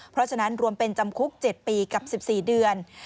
เพราะฉะนั้นรวมเป็นจำคุก๗ปีกับ๑๔เดือน